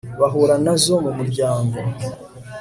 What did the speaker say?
bahura nazo mu muryango